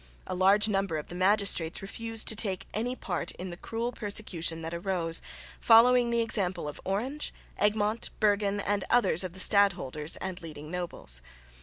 A large number of the magistrates refused to take any part in the cruel persecution that arose, following the example of Orange, Egmont, Berghen and others of the stadholders and leading nobles.